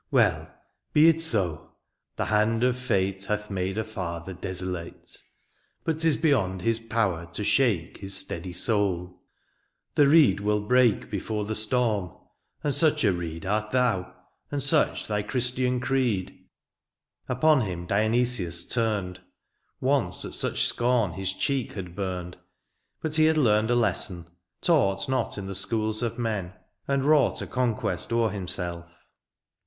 ^^ Well, be it so, the hand of fate ^^ Hath made a father desolate ;^^ But 'tis beyond its power to shake ^^ His steady soul ;— the reed will break ^^ Before the storm, and such a reed ^^ Art thou, and such thy Christian creed/' Upon him Dionysius turned : Once at such scorn his cheek had burned ; But he had learned a lesson, taught Not in the schools of men, and wrought 86 DIONYSIUS, A conquest o'er himself.